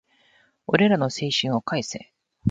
俺らの青春を返せ